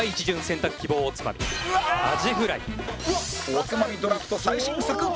おつまみドラフト最新作